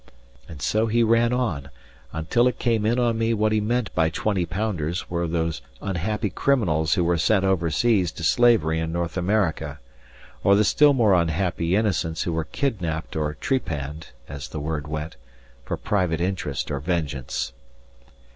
And so he ran on, until it came in on me what he meant by twenty pounders were those unhappy criminals who were sent over seas to slavery in North America, or the still more unhappy innocents who were kidnapped or trepanned (as the word went) for private interest or vengeance.